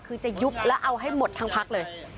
คือจะยุบแล้วเอาให้หมดทั้งพักเลย